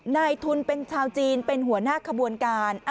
นายทุนเป็นชาวจีนเป็นหัวหน้าขบวนการ